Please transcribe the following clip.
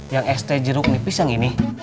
yang este jeruk nipis yang ini